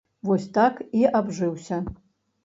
Вось так і абжыўся.